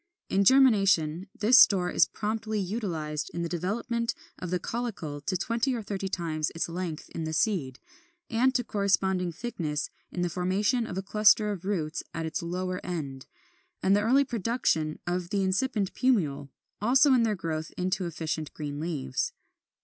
In germination this store is promptly utilized in the development of the caulicle to twenty or thirty times its length in the seed, and to corresponding thickness, in the formation of a cluster of roots at its lower end, and the early production of the incipient plumule; also in their own growth into efficient green leaves.